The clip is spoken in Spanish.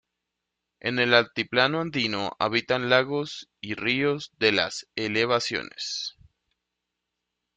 En el altiplano andino habitan lagos y ríos de las elevaciones.